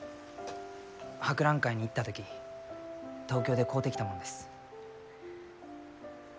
博覧会に行った時東京で買うてきたもんです。